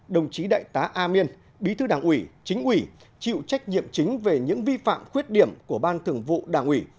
đồng chí đại tá a miên bí thư đảng ủy chính ủy chịu trách nhiệm chính về những vi phạm khuyết điểm của ban thường vụ đảng ủy